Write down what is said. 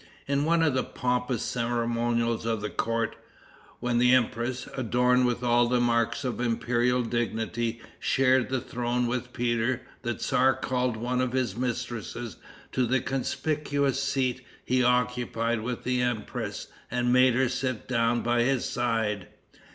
In one of the pompous ceremonials of the court, when the empress, adorned with all the marks of imperial dignity, shared the throne with Peter, the tzar called one of his mistresses to the conspicuous seat he occupied with the empress, and made her sit down by his side.